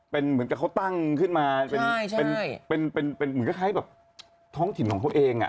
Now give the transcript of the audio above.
เป็นเหมือนกับเขาตั้งขึ้นมาเป็นเหมือนคล้ายแบบท้องถิ่นของเขาเอง